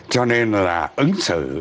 cho nên là ứng xử